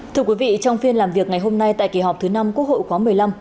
thưa quý vị trong phiên làm việc ngày hôm nay tại kỳ họp thứ năm quốc hội khóa một mươi năm